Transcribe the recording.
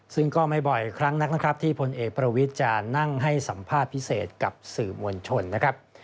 ซึ่งก็ไม่บ่อยครั้งนักนะครับที่พลเอกประวิทย์จะนั่งให้สัมภาษณ์พิเศษกับสื่อมวลชนนะครับ